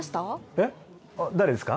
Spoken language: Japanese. えっ誰ですか？